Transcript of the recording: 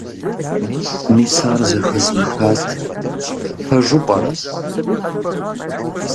Мис ар зэхэзмыхат. Пэжу пӏэрэ?